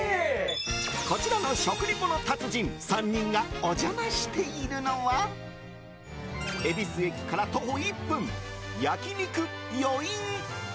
こちらの食リポの達人３人がお邪魔しているのは恵比寿駅から徒歩１分焼肉よいん。